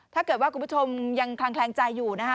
ถ้าเกิดว่าคุณผู้ชมยังคลังแคลงใจอยู่นะฮะ